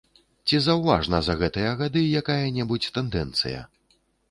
Ці заўважна за гэтыя гады якая-небудзь тэндэнцыя?